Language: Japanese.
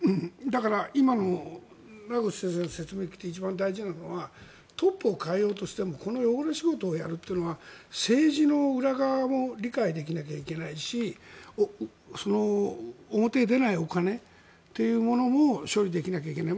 だから今の名越先生の説明を聞いていて一番大事なのはトップを代えようとしてもこの汚れ仕事をやるというのは政治の裏側も理解できなきゃいけないし表に出ないお金というものも処理できなきゃいけない。